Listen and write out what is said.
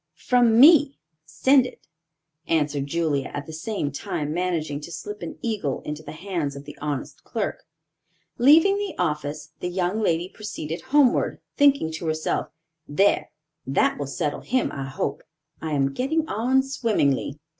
"From me; send it," answered Julia, at the same time managing to slip an eagle into the hands of the honest clerk. Leaving the office, the young lady proceeded homeward, thinking to herself, "There, that will settle him, I hope. I am getting on swimmingly."